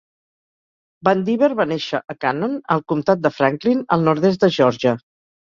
Vandiver va néixer a Canon, al comtat de Franklin, al nord-est de Geòrgia.